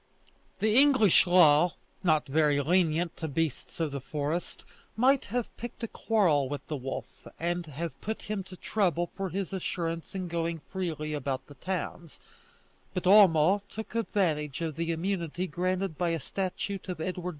The English law, not very lenient to beasts of the forest, might have picked a quarrel with the wolf, and have put him to trouble for his assurance in going freely about the towns: but Homo took advantage of the immunity granted by a statute of Edward IV.